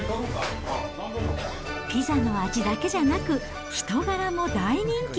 ピザの味だけじゃなく、人柄も大人気。